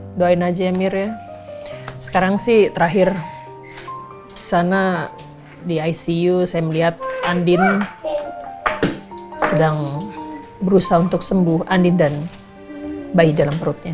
saya doain aja emir ya sekarang sih terakhir sana di icu saya melihat andin sedang berusaha untuk sembuh andin dan bayi dalam perutnya